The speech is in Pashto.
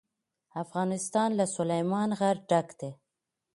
افغانستان له سلیمان غر ډک دی.